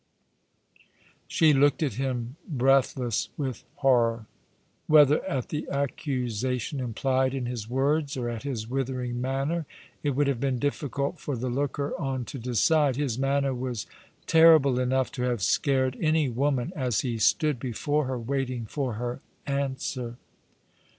" She looked at him breathless with horror ; whether at the accusation implied in his words, or at his withering manner, it would have been difficult for the looker on to decide. His manner was terrible enough to have scared any woman, as he stood before her, waiting for her answer.